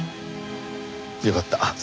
よかった。